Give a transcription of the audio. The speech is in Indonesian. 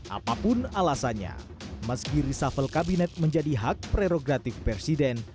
apapun alasannya meski reshuffle kabinet menjadi hak prerogatif presiden